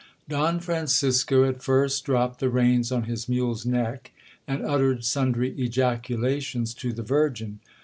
'Don Francisco at first dropt the reins on his mule's neck, and uttered sundry ejaculations to the Virgin.